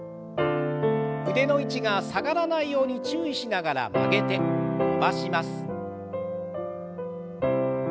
腕の位置が下がらないように注意しながら曲げて伸ばします。